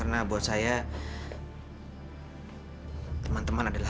terus kita akan pergi ke tempat kita